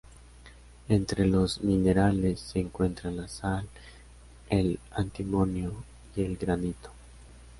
Entre los minerales se encuentran la sal, el antimonio, y el granito.